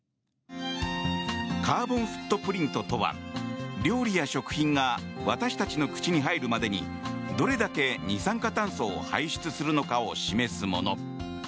カーボンフットプリントとは料理や食品が私たちの口に入るまでにどれだけ二酸化炭素を排出するのかを示すもの。